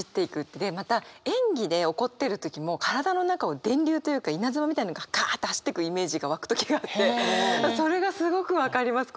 また演技で怒ってる時も体の中を電流というか稲妻みたいのがかぁって走っていくイメージが湧く時があってそれがすごく分かります。